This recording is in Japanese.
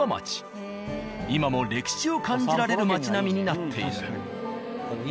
今も歴史を感じられる街並みになっている。